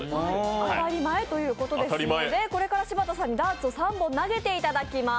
当たり前ということですので、柴田さんにこれからダーツを３本投げていただきます。